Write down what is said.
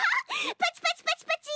パチパチパチパチ！